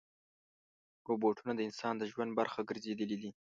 روبوټونه د انسان د ژوند برخه ګرځېدلي دي.